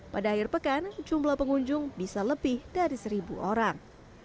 pada akhir pekan jumlah pengunjung bisa lebih dari seribu orang